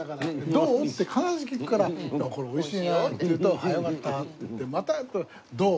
どう？って必ず聞くからこれ美味しいねって言うとああよかったって言ってまたどう？